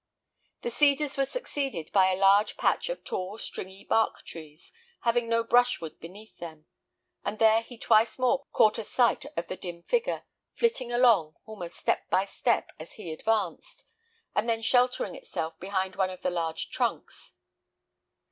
The cedars were succeeded by a large patch of tall stringy bark trees, having no brushwood beneath them, and there he twice more caught a sight of the dim figure, flitting along, almost step by step, as he advanced, and then sheltering itself behind one of the large trunks.